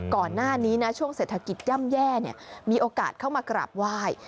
ก่อนหน้านี้นะช่วงเศรษฐกิจย่ำแย่มีโอกาสเข้ามากราบไหว้